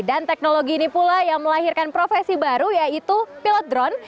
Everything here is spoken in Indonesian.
dan teknologi ini pula yang melahirkan profesi baru yaitu pilot drone